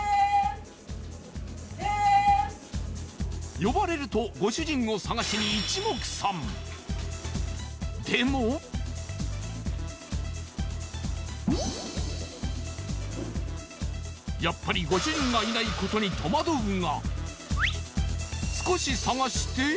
呼ばれるとご主人を捜しに一目散でもやっぱりご主人がいないことに戸惑うが